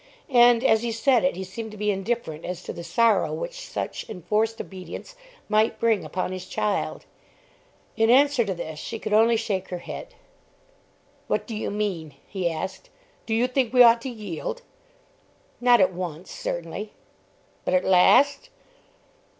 And, as he said it, he seemed to be indifferent as to the sorrow which such enforced obedience might bring upon his child. In answer to this she could only shake her head. "What do you mean?" he asked. "Do you think we ought to yield?" "Not at once, certainly." "But at last?"